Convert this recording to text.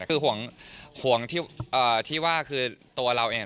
คือห่วงที่ว่าคือตัวเราเอง